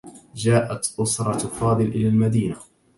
جاءت أسرة فاضل إلى المدينة.